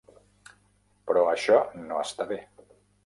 Però això no està bé.